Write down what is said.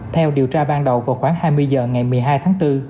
theo điều tra ban đầu vào khoảng hai mươi h ngày một mươi hai tháng bốn